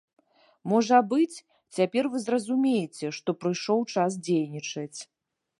Можа быць, цяпер вы зразумееце, што прыйшоў час дзейнічаць!